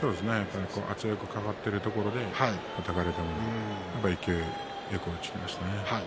圧力かかっているところはたかれたので勢いよく落ちましたね。